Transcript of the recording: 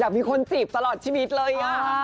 มีคนจีบตลอดชีวิตเลย